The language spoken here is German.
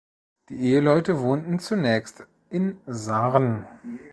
Die Eheleute wohnten zunächst in Saarn.